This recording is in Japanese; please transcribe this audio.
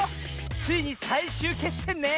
ついにさいしゅうけっせんね！